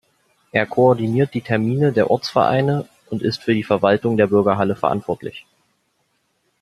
Er koordiniert die Termine der Ortsvereine und ist für die Verwaltung der Bürgerhalle verantwortlich.